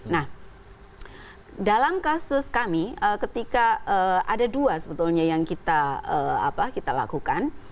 nah dalam kasus kami ketika ada dua sebetulnya yang kita lakukan